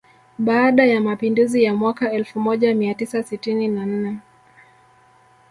Baada ya mapinduzi ya mwaka elfu moja mia tisa sitini na nne